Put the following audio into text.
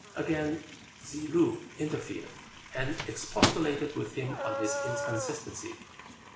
Again Tsze loo interfered, and expostulated with him on his inconsistency.